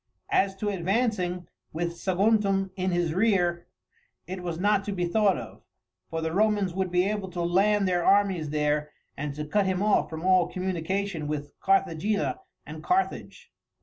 As to advancing, with Saguntum in his rear, it was not to be thought of, for the Romans would be able to land their armies there and to cut him off from all communication with Carthagena and Carthage.